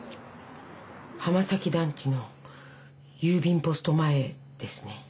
浜崎団地の郵便ポスト前ですね。